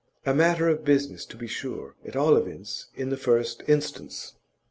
A matter of business, to be sure at all events in the first instance.